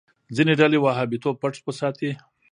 ځینې ډلې وهابيتوب پټ وساتي.